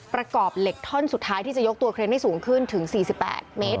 ประกอบเหล็กท่อนสุดท้ายที่จะยกตัวเครนให้สูงขึ้นถึง๔๘เมตร